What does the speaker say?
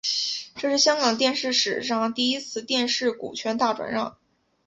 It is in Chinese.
这是香港电视史上第一次电视股权大转让。